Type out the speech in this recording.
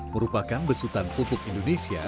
merupakan besutan pupuk indonesia